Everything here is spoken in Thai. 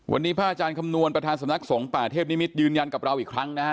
วันนี้พระอาจารย์คำนวณประธานสำนักสงฆ์ป่าเทพนิมิตรยืนยันกับเราอีกครั้งนะฮะ